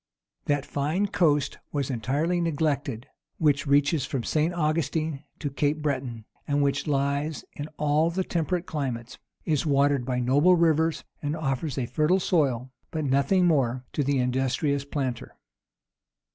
That fine coast was entirely neglected which reaches from St. Augustine to Cape Breton, and which lies in all the temperate climates, is watered by noble rivers, and offers a fertile soil, but nothing more, to the industrious planter.